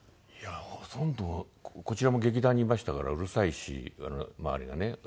いやほとんどこちらも劇団にいましたからうるさいし周りがね。